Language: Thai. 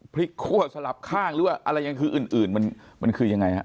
พลิกคั่วสลับข้างหรือว่าอะไรยังคืออื่นมันคือยังไงฮะ